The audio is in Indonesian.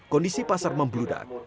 kondisi pasar membludak